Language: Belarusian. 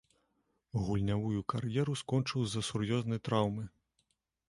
Гульнявую кар'еру скончыў з-за сур'ёзнай траўмы.